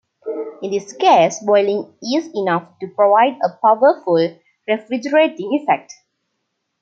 In this case, boiling is enough to provide a powerful refrigerating effect.